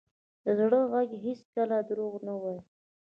د زړه ږغ هېڅکله دروغ نه وایي.